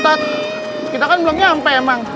kita kan belum nyampe emang